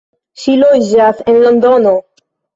Ŝi loĝas en Londono.